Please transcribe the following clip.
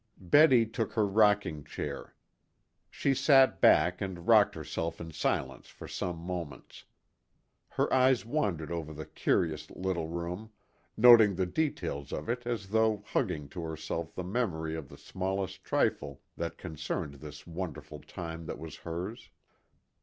Betty took her rocking chair. She sat back and rocked herself in silence for some moments. Her eyes wandered over the curious little room, noting the details of it as though hugging to herself the memory of the smallest trifle that concerned this wonderful time that was hers.